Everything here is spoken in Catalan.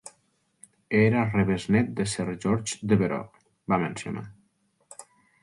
Era rebesnet de Sir George Devereux, va mencionar.